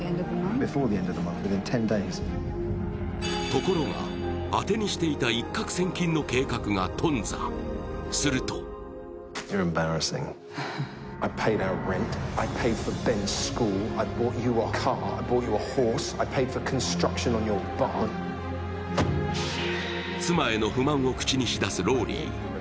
ところが、当てにしていた一獲千金の計画が頓挫、すると妻への不満を口にし出すローリー。